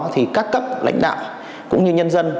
thì các cấp lãnh đạo cũng như nhân dân